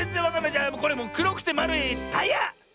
じゃもうくろくてまるいタイヤ！